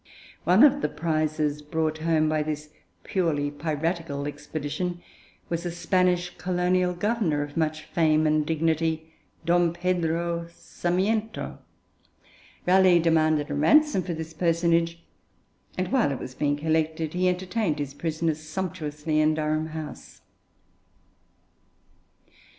One of the prizes brought home by this purely piratical expedition was a Spanish colonial governor of much fame and dignity, Don Pedro Sarmiento. Raleigh demanded a ransom for this personage, and while it was being collected he entertained his prisoner sumptuously in Durham House.